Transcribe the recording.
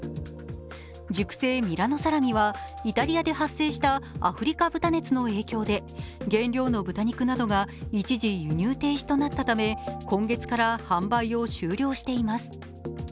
熟成ミラノサラミはイタリアで発生したアフリカ豚熱の影響で原料の豚肉などが一時輸入停止となったため今月から販売を終了しています。